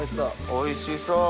おいしそう。